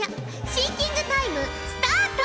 シンキングタイムスタート！